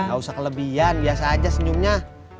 gak usah kelebihan biasa aja senyumnya